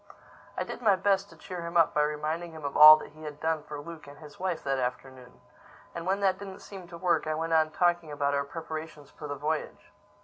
I did my best to cheer him up by reminding him of all he had done for Luke and his wife that afternoon. And when that didn't seem to work, I went on talking about our preparations for the voyage.